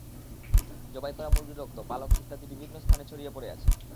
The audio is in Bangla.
জবাই করা মুরগির রক্ত, পালক ইত্যাদি বিভিন্ন স্থানে ছড়িয়ে পড়ে আছে।